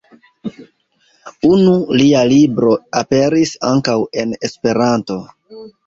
Unu lia libro aperis ankaŭ en esperanto.